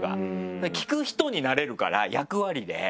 だから聞く人になれるから役割で。